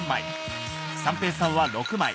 三平さんは６枚。